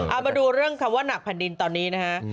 เอามาดูเรื่องคำว่าหนักแผ่นดินตอนนี้นะฮะ